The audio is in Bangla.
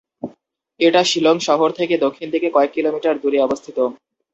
এটা শিলং শহর থেকে দক্ষিণ দিকে কয়েক কিলোমিটার দূরে অবস্থিত।